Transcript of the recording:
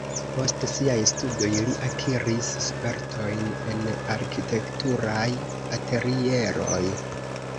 Post siaj studoj li akiris spertojn en arkitekturaj atelieroj.